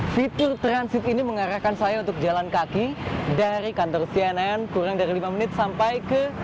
fitur transit ini mengarahkan saya untuk jalan kaki dari kantor cnn kurang dari lima menit sampai ke